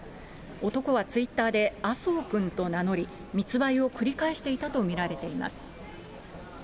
男はツイッターで、あそうくんと名乗り、密売を繰り返していたと見られます。